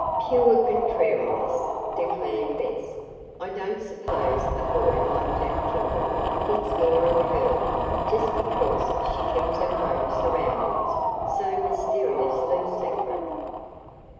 "Pure contrariness," declared Bess. "I don't suppose a boy like Jack Kimball thinks more of a girl just because she keeps her home surroundings so mysteriously secret."